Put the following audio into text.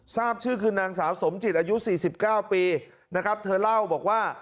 ทราบชื่อคือนางสาวสมจิตอายุ๔๙ปีนะครับเธอเล่าบอกว่า